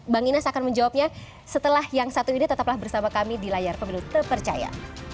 bang inas akan menjawabnya setelah yang satu ini tetaplah bersama kami di layar pemilu terpercaya